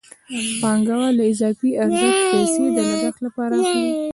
پانګوال له اضافي ارزښت پیسې د لګښت لپاره اخلي